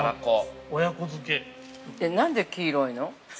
なんで黄色いの？